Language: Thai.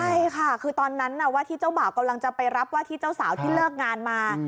ใช่ค่ะคือตอนนั้นว่าที่เจ้าบ่าวกำลังจะไปรับว่าที่เจ้าสาวที่เลิกงานมา